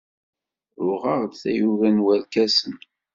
Uɣeɣ-d tayuga n warkasen.